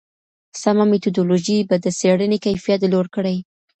سمه میتودولوژي به د څېړني کیفیت لوړ کړي.